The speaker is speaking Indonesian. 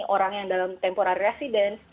orang yang dalam tempoh residen